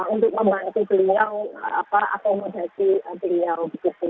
untuk membantu beliau apa akomodasi beliau